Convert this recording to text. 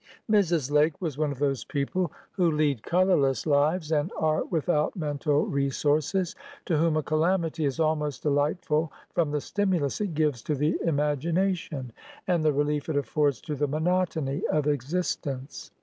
Mrs. Lake was one of those people who lead colorless lives, and are without mental resources, to whom a calamity is almost delightful, from the stimulus it gives to the imagination, and the relief it affords to the monotony of existence.